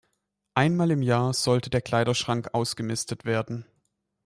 Einmal im Jahr sollte der Kleiderschrank ausgemistet werden.